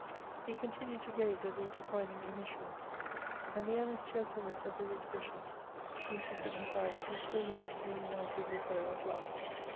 He continued to gaze at the intertwining initials, and the earnest cheerfulness of his expression seemed to signify that he still hoped to be united with her at last.